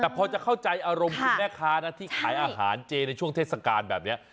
แต่พอจะเข้าใจอารมณ์คุณแม่ค้านะที่ขายอาหารเจในช่วงเทศกาลแบบนี้